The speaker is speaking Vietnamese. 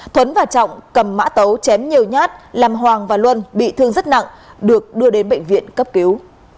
thuấn và trọng cầm mã tấu chém nhiều nhát làm hoàng và luân bị thương rất nặng được đưa đến bệnh viện cấp cứu